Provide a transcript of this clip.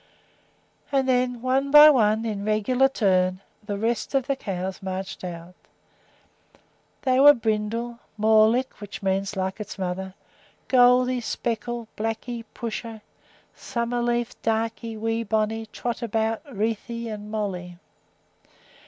And then, one by one, in regular turn, the rest of the cows marched out. They were Brindle, Morlik (which means "like its mother"), Goldie, Speckle, Blackie, Pusher, Summer Leaf, Darkey, Wee Bonny, Trot About, Wreathie, and Moolley.